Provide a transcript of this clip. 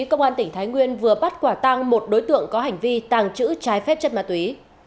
công an tỉnh thái nguyên vừa bắt quả tăng một đối tượng có hành vi tàng trữ trái phép chất ma túy